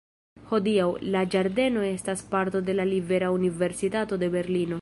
Hodiaŭ, la ĝardeno estas parto de la Libera Universitato de Berlino.